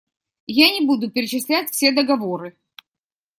Я не буду перечислять все договоры.